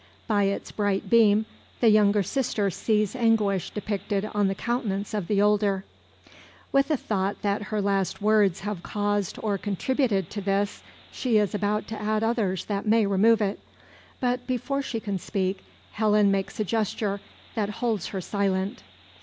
By its bright beam the younger sister sees anguish depicted on the countenance of the older. With a thought that her last words have caused or contributed to this, she is about to add others that may remove it. But before she can speak, Helen makes a gesture that holds her silent.